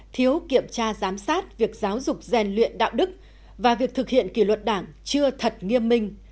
thiếu kiểm tra giám sát việc giáo dục rèn luyện đạo đức và việc thực hiện kỷ luật đảng chưa thật nghiêm minh